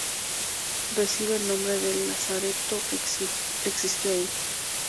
Recibe el nombre del lazareto que existió allí.